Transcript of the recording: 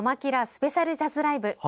スペシャルジャズライブ」。